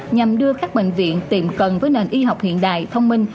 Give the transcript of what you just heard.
nhằm đưa các bệnh viện tìm cần với nền y học hiện đại thông minh